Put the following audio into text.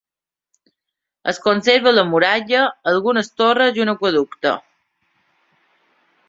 Es conserva la muralla, algunes torres i un aqüeducte.